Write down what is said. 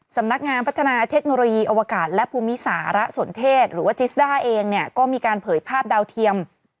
สำนักงานพัฒนาเทคโนโลยีอวกาศและภูมิสารสนเทศหรือว่าจิสด้าเองเนี่ยก็มีการเผยภาพดาวเทียม